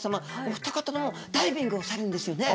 お二方ともダイビングをされるんですよね。